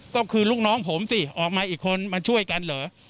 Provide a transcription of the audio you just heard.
ก็คือลูกน้องผมสิออกมาอีกคนมาช่วยกันเหรอ